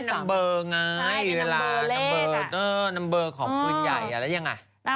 ก็เป็นนัมเบอร์ไงนัมเบอร์ของปืนใหญ่แล้วยังไง